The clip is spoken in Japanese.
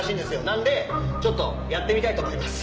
なんでちょっとやってみたいと思います。